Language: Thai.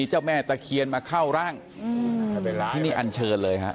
เจ้าแม่ตะเคียนมาเข้าร่างที่นี่อันเชิญเลยฮะ